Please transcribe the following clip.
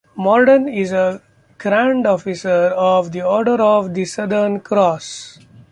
Morden is a Grand Officer of the Order of the Southern Cross.